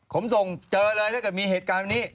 ผมส่งเจอเลยถ้าเกิดมีเหตุการณ์วันนี้